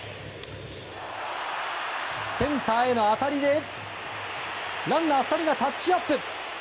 センターへの当たりでランナー２人がタッチアップ。